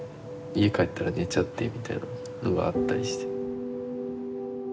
家帰ったら寝ちゃってみたいなのがあったりして。